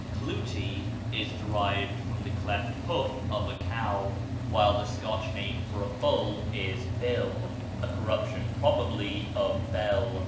"Clootie" is derived from the cleft hoof of a cow; while the Scotch name for a bull is Bill, a corruption, probably, of Bel.